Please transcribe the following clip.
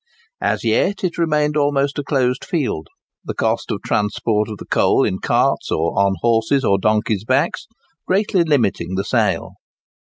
As yet it remained almost a closed field, the cost of transport of the coal in carts, or on horses' or donkeys' backs, greatly limiting the sale.